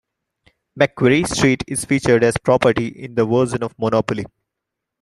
Macquarie Street is featured as a property in the version of Monopoly.